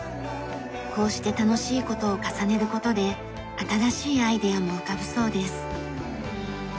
こうして楽しい事を重ねる事で新しいアイデアも浮かぶそうです。